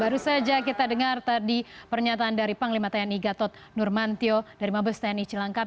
baru saja kita dengar tadi pernyataan dari panglima tni gatot nurmantio dari mabes tni cilangkap